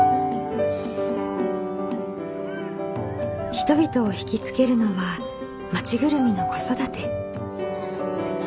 人々を引き付けるのは町ぐるみの子育て。